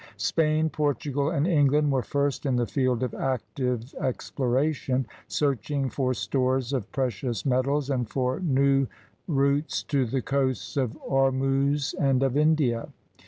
Spain, Portugal, and England were first in the field of active exploration, searching for stores of precious metab and for new routes to the coasts of Ormuz and of India.